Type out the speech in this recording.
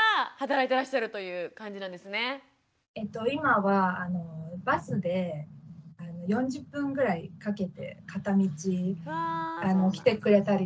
今はバスで４０分ぐらいかけて片道来てくれたりとかしてるんですね。